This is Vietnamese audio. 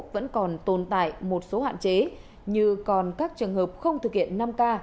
vẫn còn tồn tại một số hạn chế như còn các trường hợp không thực hiện năm k